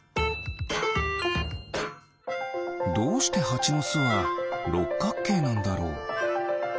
どうしてハチのすはろっかくけいなんだろう？